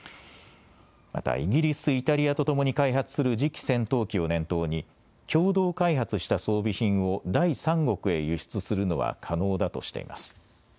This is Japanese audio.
またイギリス、イタリアとともに開発する次期戦闘機を念頭に共同開発した装備品を第三国へ輸出するのは可能だとしています。